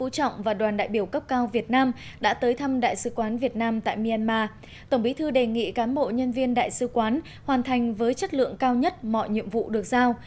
tổng bí thư đề nghị cán bộ nhân viên đại sứ quán hoàn thành với chất lượng cao nhất mọi nhiệm vụ được giao